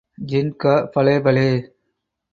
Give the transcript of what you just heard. ஜின்கா, பலே பலே!